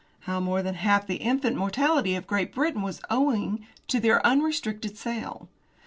How more than half the infant mortality of Great Britain was owing to their unrestricted sale.